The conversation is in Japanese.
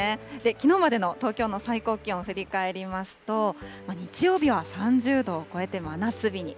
きのうまでの東京の最高気温、振り返りますと、日曜日は３０度を超えて真夏日に。